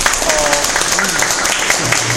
آبگوشت